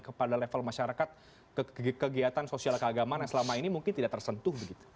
kepada level masyarakat kegiatan sosial keagamaan yang selama ini mungkin tidak tersentuh begitu